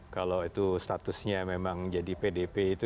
kalau itu statusnya memang jadi pdp itu